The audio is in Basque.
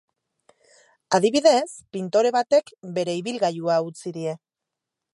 Adibidez, pintore batek bere ibilgailua utzi die.